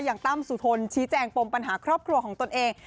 ตั้มสุทนชี้แจงปมปัญหาครอบครัวของตนเอง